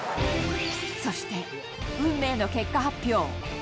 そして運命の結果発表。